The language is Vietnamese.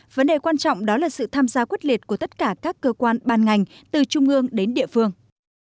vấn đề quan trọng đó là sự tham gia quyết liệt của tất cả các cơ quan ban ngành từ trung ương đến địa phương